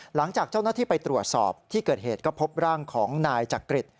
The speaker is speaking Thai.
หลังจากเจ้าหน้าที่ไปตรวจสอบที่เกิดเหตุก็พบร่างของนายจักริต